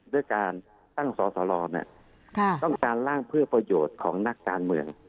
ด้วยการตั้งสอสรต้องการล่างเพื่อประโยชน์ของนักการเมือง